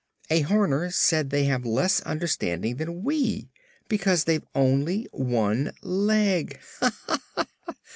"A Horner said they have less understanding than we, because they've only one leg. Ha, ha!